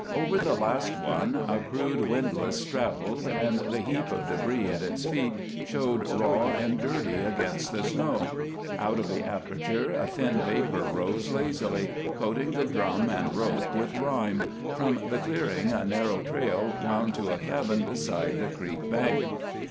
Over the last one a crude windlass straddled and the heap of debris at its feet showed raw and dirty against the snow. Out of the aperture a thin vapor rose lazily, coating the drum and rope with rime; from the clearing a narrow trail wound to a cabin beside the creek bank.